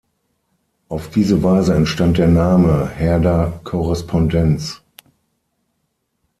Auf diese Weise entstand der Name "Herder Korrespondenz".